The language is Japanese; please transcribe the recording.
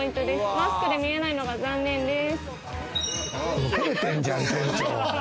マスクで見えないのが残念です。